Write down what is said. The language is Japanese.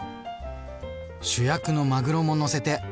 主役のまぐろものせて。